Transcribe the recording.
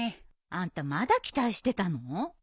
あんたまだ期待してたの？